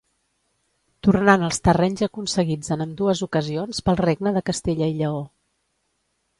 Tornant els terrenys aconseguits en ambdues ocasions pel regne de Castella i Lleó.